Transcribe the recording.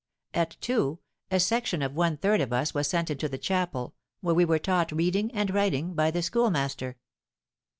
At two, a section of one third of us was sent into the chapel, where we were taught reading and writing by the schoolmaster.